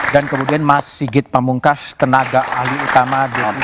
dan kemudian mas sigit pamungkas tenaga ahli utama dpr lima ks